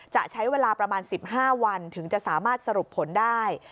จะใช้เวลาประมาณ๑๕วันถึงจะสามารถสรุปผลได้